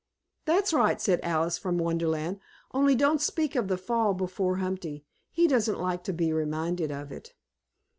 '" "That's right," said Alice from Wonderland. "Only don't speak of the fall before Humpty. He doesn't like to be reminded of it."